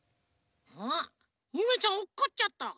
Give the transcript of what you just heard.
あっゆめちゃんおっこっちゃった。